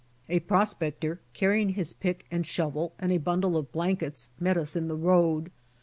A pros pector carrying his pick and shovel and a bundle of blankets met us in the road.